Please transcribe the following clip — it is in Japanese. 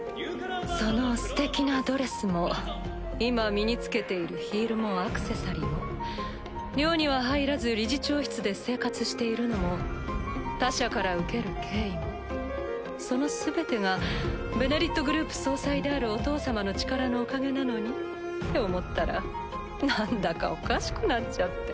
そのすてきなドレスも今身に着けているヒールもアクセサリーも寮には入らず理事長室で生活しているのも他者から受ける敬意もその全てが「ベネリット」グループ総裁であるお父様の力のおかげなのにって思ったらなんだかおかしくなっちゃって。